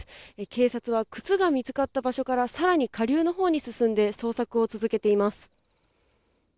警察は靴が見つかった場所から、さらに下流の方に進んで、捜索を続けています。